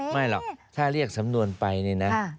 ไม่หรอกถ้าเรียกสำนวนไปนี่นะ